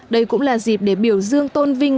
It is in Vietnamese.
đây cũng là dịp để biểu dương tôn vinh